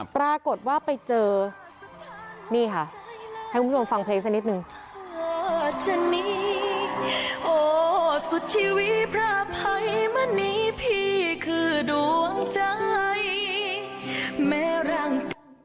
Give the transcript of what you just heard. ปรากฏว่าไปเจอนี่ค่ะให้คุณผู้ชมฟังเพลงสักนิดนึง